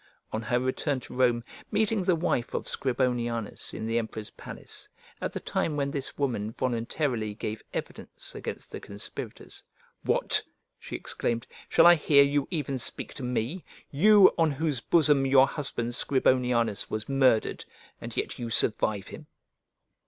On her return to Rome, meeting the wife of Scribonianus in the emperor's palace, at the time when this woman voluntarily gave evidence against the conspirators "What," she exclaimed, "shall I hear you even speak to me, you, on whose bosom your husband Scribonianus was murdered, and yet you survive him?"